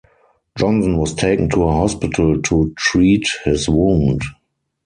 Johnson was taken to a hospital to treat his wound.